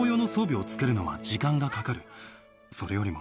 それよりも。